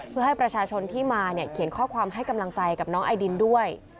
เพื่อให้ประชาชนที่มาเนี่ยเขียนข้อความให้กำลังใจกับน้องไอดินด้วย